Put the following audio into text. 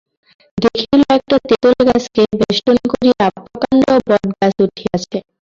দেখিল একটা তেঁতুলগাছকে বেষ্টন করিয়া প্রকাণ্ড বটগাছ উঠিয়াছে।